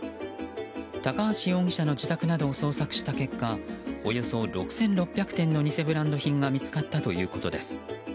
高橋容疑者の自宅などを捜索した結果およそ６６００点の偽ブランド品が見つかったということです。